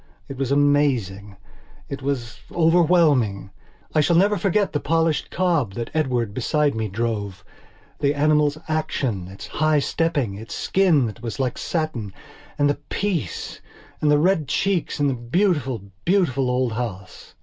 It was amazing. It was overwhelming. I never shall forget the polished cob that Edward, beside me, drove; the animal's action, its high stepping, its skin that was like satin. And the peace! And the red cheeks! And the beautiful, beautiful old house.